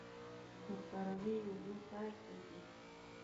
د قرغې اوبه پاکې دي